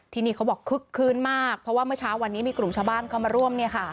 ที่นี่เขาบอกคึกคื้นมากเพราะว่าเมื่อเช้าวันนี้มีกลุ่มชาวบ้านเข้ามาร่วม